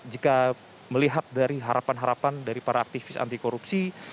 jika melihat dari harapan harapan dari para aktivis anti korupsi